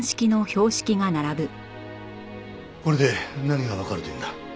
これで何がわかるというんだ？